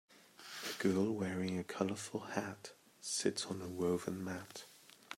A girl wearing a colorful hat sits on a woven mat.